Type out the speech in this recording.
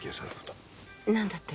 何だって？